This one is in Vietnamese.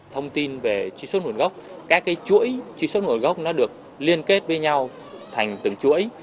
thông tin về truy xuất nguồn gốc các chuỗi truy xuất nguồn gốc nó được liên kết với nhau thành từng chuỗi